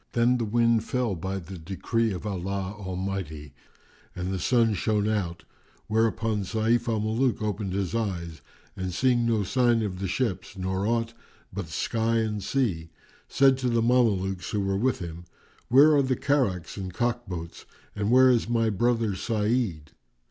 Then the wind fell by the decree of Allah Almighty and the sun shone out; whereupon Sayf al Muluk opened his eyes and seeing no sign of the ships nor aught but sky and sea, said to the Mamelukes who were with him, "Where are the carracks and cock boats and where is my brother Sa'id?"